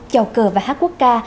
chào cờ và hát quốc ca